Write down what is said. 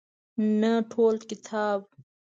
نه ټول کتاب.